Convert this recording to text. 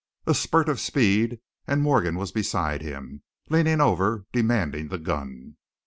A spurt of speed and Morgan was beside him, leaning over, demanding the gun.